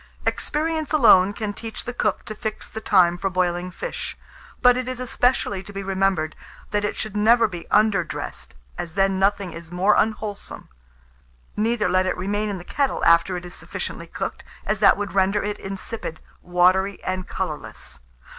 Experience alone can teach the cook to fix the time for boiling fish; but it is especially to be remembered, that it should never be underdressed, as then nothing is more unwholesome. Neither let it remain in the kettle after it is sufficiently cooked, as that would render it insipid, watery, and colourless.